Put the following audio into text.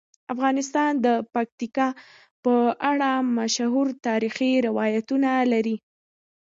افغانستان د پکتیکا په اړه مشهور تاریخی روایتونه لري.